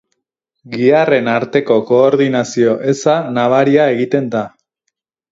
Giharren arteko koordinazio eza nabaria egiten da.